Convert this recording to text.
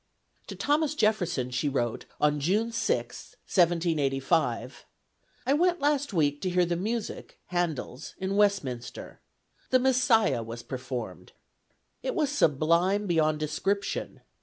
To Thomas Jefferson she wrote on June 6, 1785: "I went last week to hear the music (Handel's) in Westminster. 'The Messiah' was performed. It was sublime beyond description.